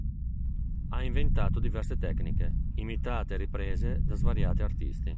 Ha inventato diverse tecniche, imitate e riprese da svariati artisti.